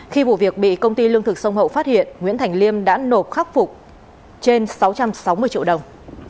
khi vụ việc bị công ty lương thực sông hậu phát hiện nguyễn thành liêm đã nộp khắc phục trên sáu trăm sáu mươi triệu đồng